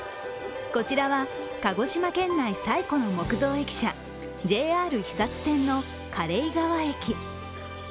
こちらは鹿児島県内最古の木造駅舎、ＪＲ肥薩線の嘉例川駅。